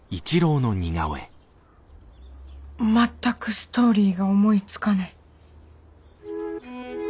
全くストーリーが思いつかない。